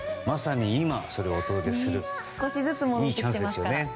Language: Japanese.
まさに今、それをお届けするいいチャンスですよね。